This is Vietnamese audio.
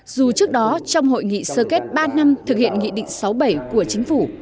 dù trước đó trong hội nghị sơ kết ba năm thực hiện nghị định sáu bảy của chính phủ